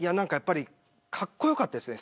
かっこよかったですね